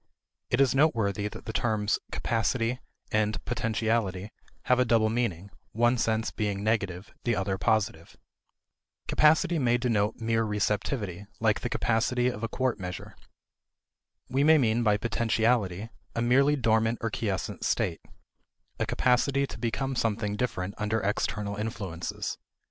It is noteworthy that the terms "capacity" and "potentiality" have a double meaning, one sense being negative, the other positive. Capacity may denote mere receptivity, like the capacity of a quart measure. We may mean by potentiality a merely dormant or quiescent state a capacity to become something different under external influences.